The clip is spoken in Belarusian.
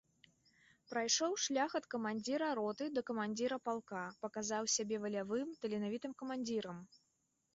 Прайшоў шлях ад камандзіра роты да камандзіра палка, паказаў сябе валявым, таленавітым камандзірам.